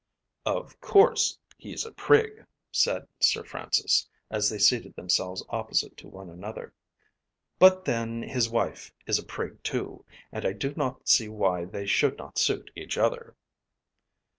"Of course he's a prig," said Sir Francis, as they seated themselves opposite to one another. "But then his wife is a prig too, and I do not see why they should not suit each other."